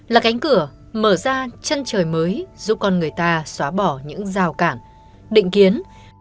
là cánh cửa mở ra chân trời mới giúp con người ta xóa bỏ những rào cản định kiến